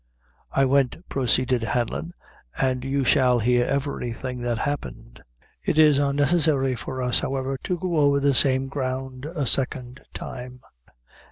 "I went," proceeded Hanlon, "and you shall hear everything that happened." It is unnecessary for us, however, to go over the same ground a second time.